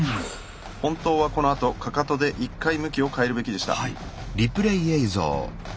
本当はこのあとかかとで１回向きを変えるべきでした。